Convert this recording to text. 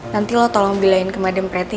nanti lo tolong bilain ke madam preti